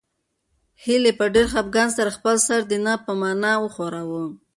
هیلې په ډېر خپګان سره خپل سر د نه په مانا وښوراوه.